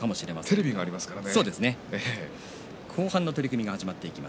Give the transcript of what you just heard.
テレビがありますからね。